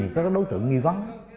có đối tượng nghi vấn